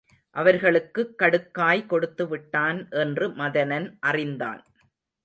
அவர்களுக்குக் கடுக்காய் கொடுத்துவிட்டான் என்று மதனன் அறிந்தான்.